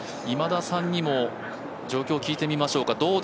今田さんにも状況を聞いてみましょうか。